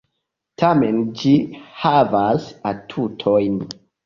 Tamen ĝi havas atutojn...